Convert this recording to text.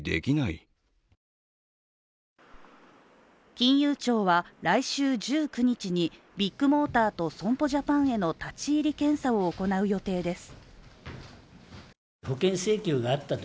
金融庁は来週１９日に、ビッグモーターと損保ジャパンへの立ち入り検査を行う予定です。